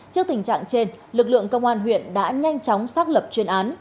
trước tình trạng trên lực lượng công an huyện đã nhanh chóng xác lập chuyên án